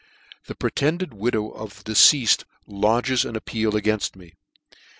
The pretended widow of the deceafed lodges an appeal againft me.